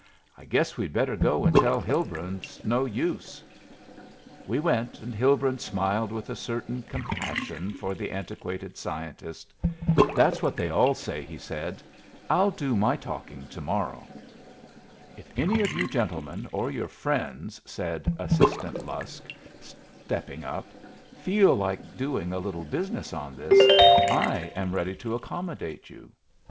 "I guess we'd better go and tell Hilbrun it's no use." We went, and Hilbrun smiled with a certain compassion for the antiquated scientist. "That's what they all say," he said. "I'll do my talking to morrow." "If any of you gentlemen, or your friends," said Assistant Lusk, stepping up, "feel like doing a little business on this, I am ready to accommodate you."